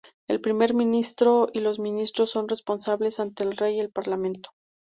El Primer Ministro y los Ministros son responsables ante el Rey y el Parlamento.